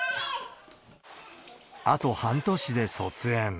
あと半年で卒園。